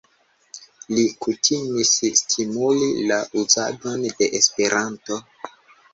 Li kutimis stimuli la uzadon de Esperanto.